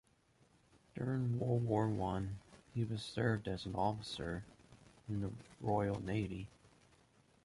During World War One he served as an officer in the Royal Navy.